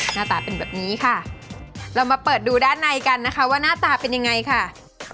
หน้าตาเป็นแบบนี้ค่ะเรามาเปิดดูด้านในกันนะคะว่าหน้าตาเป็นยังไงค่ะ